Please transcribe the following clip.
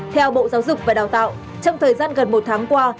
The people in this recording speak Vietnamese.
theo bộ giáo dục và đào tạo trong thời gian gần một tháng qua